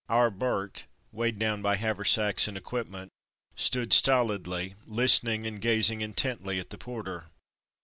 ^'Our Bert'' weighed down by haversacks and equipment, stood stolidly listening and gazing intently at the porter.